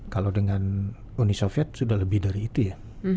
kalau dengan uni soviet sudah lebih dari itu ya